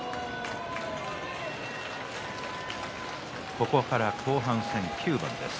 ここから後半戦９番です。